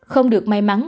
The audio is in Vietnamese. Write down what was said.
không được may mắn